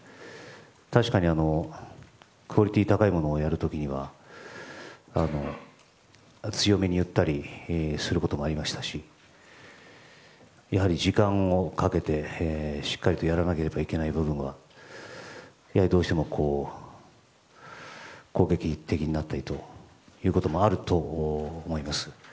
確かにクオリティーを高いものをやる時には強めに言ったりすることもありましたしやはり時間をかけて、しっかりとやらなければいけない部分はどうしても攻撃的になったりということもあると思います。